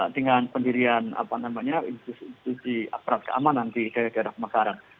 dengan pendirian institusi aparat keamanan di daerah daerah pemekaran